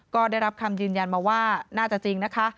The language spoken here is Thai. ก็ได้รับคำยืนยันมาว่าน่าจะจริงนะคะ